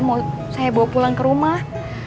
mau saya bawa pulang ke rumah